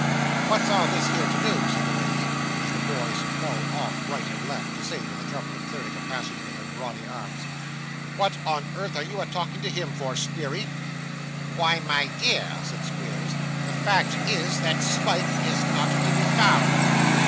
'What's all this here to do?' said the lady, as the boys fell off right and left, to save her the trouble of clearing a passage with her brawny arms. 'What on earth are you a talking to him for, Squeery!' 'Why, my dear,' said Squeers, 'the fact is, that Smike is not to be found.